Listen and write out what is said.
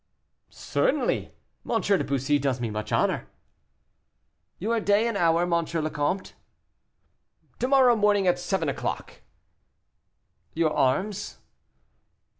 "Certainly; M. de Bussy does me much honor." "Your day and hour, M. le Comte?" "To morrow morning at seven o'clock." "Your arms?"